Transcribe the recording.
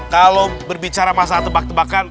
kalau berbicara masalah tebak tebakan